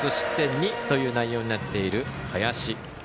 ２という内容になっている、林。